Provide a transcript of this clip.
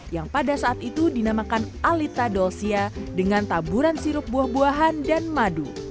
yang pada saat itu dinamakan alita dolsia dengan taburan sirup buah buahan dan madu